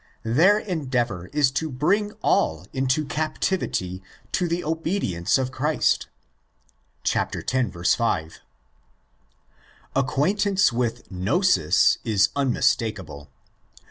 Their endeavour is to bring all into captivity '"'to the obedience of Christ"' (x. 5). Acquaintance with gnosis 18 unmistakeable.